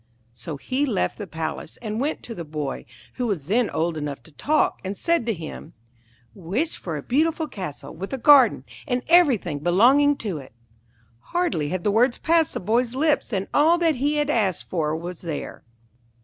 So he left the palace, and went to the boy, who was then old enough to talk, and said to him, 'Wish for a beautiful castle, with a garden, and everything belonging to it.' Hardly had the words passed the boy's lips than all that he had asked for was there.